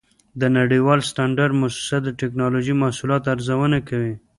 د نړیوال سټنډرډ مؤسسه د ټېکنالوجۍ محصولاتو ارزونه کوي.